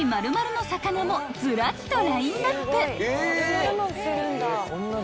［ずらっとラインナップ］